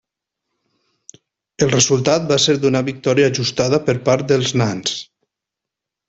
El resultat va ser d'una victòria ajustada per part dels nans.